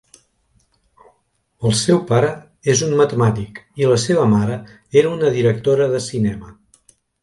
El seu pare és un matemàtic i la seva mare era una directora de cinema.